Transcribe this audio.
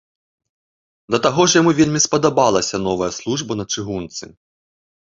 Да таго ж яму вельмі спадабалася новая служба на чыгунцы.